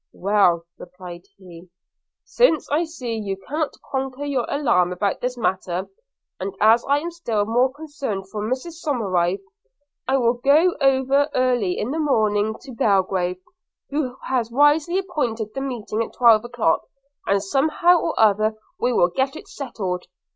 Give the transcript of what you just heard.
'Well,' replied he, 'since I see you cannot conquer your alarm about this matter, and as I am still more concerned for Mrs Somerive, I will go over early in the morning to Belgrave, who has wisely appointed the meeting at twelve o'clock, and somehow or other we will get it settled.